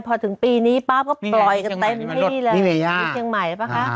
พอถึงปีนี้ปั๊บก็ปล่อยกันเต็มที่เลยมีเมียย่าที่เชียงใหม่หรือเปล่าค่ะ